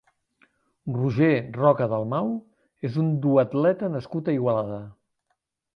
Roger Roca Dalmau és un duatleta nascut a Igualada.